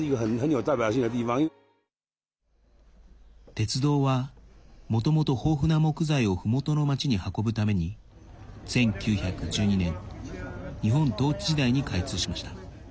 鉄道は、もともと豊富な木材をふもとの町に運ぶために１９１２年日本統治時代に開通しました。